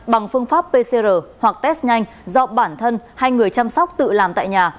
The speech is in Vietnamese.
bằng phương pháp pcr hoặc test nhanh do bản thân hay người chăm sóc tự làm tại nhà